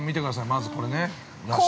まず、これね、ナシ。